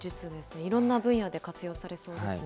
いろんな分野で活用されそうです